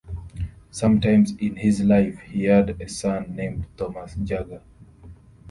Sometime in his life he had a son named Thomas Jagger.